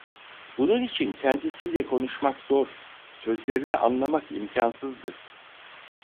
Bunun için kendisiyle konuşmak zor, sözlerini anlamak imkansızdı.